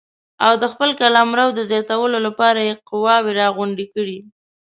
او د خپل قلمرو د زیاتولو لپاره یې قواوې راغونډې کړې.